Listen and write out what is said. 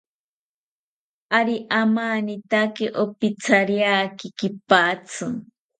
Ari amanitaki, opithariaki kipatzi